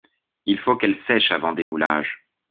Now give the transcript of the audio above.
Il faut qu'elle sèche avant démoulage.